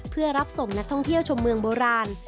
เพื่อรับส่งนักท่องเที่ยวชมเมืองโบราณ